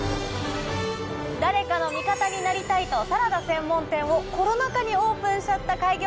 誰かの味方になりたいとサラダ専門店をコロナ禍にオープンしちゃった開業